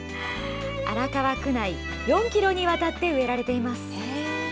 荒川区内４キロにわたって植えられています。